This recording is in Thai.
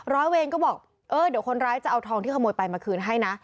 ร้อยเวรก็บอกเออเดี๋ยวคนร้ายจะเอาทองที่ขโมยไปมาคืนให้นะ